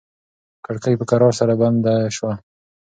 کړکۍ په کراره سره بنده شوه.